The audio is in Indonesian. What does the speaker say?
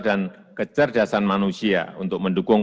kecerdasan manusia untuk mendukung